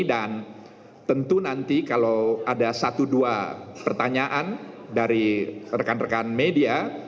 dan tentu nanti kalau ada satu dua pertanyaan dari rekan rekan media